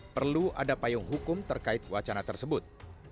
perlu ada payung hukum terkait wacana tersebut